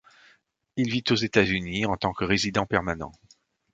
Il vit aux États-Unis en tant que résident permanent.